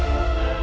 kira kira boleh gak